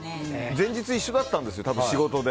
前日、一緒だったんです仕事で。